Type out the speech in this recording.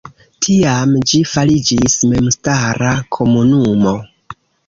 Tiam ĝi fariĝis memstara komunumo.